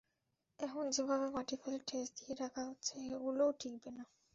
এখন যেভাবে মাটি ফেল ঠেস দিয়ে রাখা হচ্ছে, সেগুলোও টিকবে না।